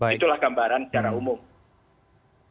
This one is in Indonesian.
itulah gambaran secara umum